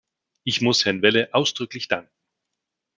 Ich muss Herrn Welle ausdrücklich danken.